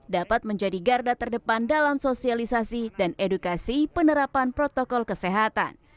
dapat menjadi garda terdepan dalam sosialisasi dan edukasi penerapan protokol kesehatan